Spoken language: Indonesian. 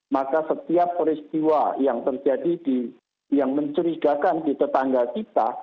maka setiap peristiwa yang terjadi yang mencurigakan di tetangga kita